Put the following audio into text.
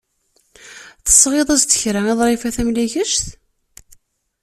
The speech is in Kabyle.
Tesɣiḍ-as-d kra i Ḍrifa Tamlikect.